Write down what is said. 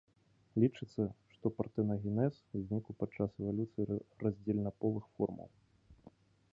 Лічыцца, што партэнагенез узнік падчас эвалюцыі раздзельнаполых формаў.